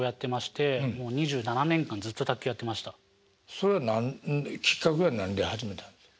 それはきっかけは何で始めたんですか？